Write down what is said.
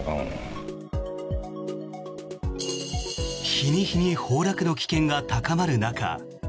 日に日に崩落の危険が高まる中。